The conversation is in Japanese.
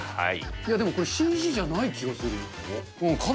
いやでも、これ、ＣＧじゃない気がする。